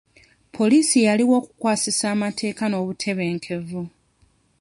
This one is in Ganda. Poliisi yaliwo okukwasisa amateeka n'obutebenkevu.